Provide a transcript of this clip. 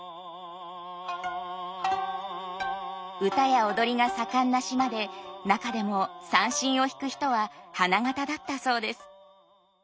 唄や踊りが盛んな島で中でも三線を弾く人は花形だったそうです。